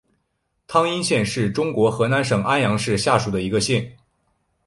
汤阴县是中国河南省安阳市下属的一个县。